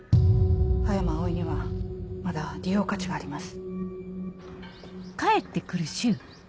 葉山葵にはまだ利用価値があります。